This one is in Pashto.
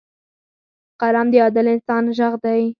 قلم د عادل انسان غږ دی